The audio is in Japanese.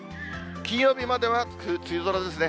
金曜日までは梅雨空ですね。